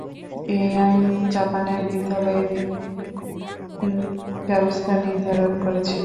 এই আইন জাপানের বিদ্যালয়ের বিদ্যালয়ের ব্যবস্থা নির্ধারণ করেছে।